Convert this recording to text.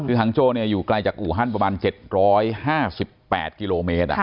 คือฮังโจ้อยู่ไกลจากอู่ฮั่นประมาณ๗๕๘กิโลเมตร